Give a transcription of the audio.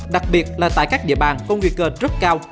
đặc biệt là tại các địa bàn có nguy cơ rất cao